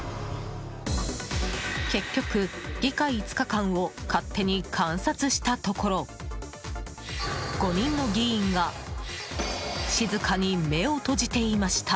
結局、議会５日間を勝手に観察したところ５人の議員が静かに目を閉じていました。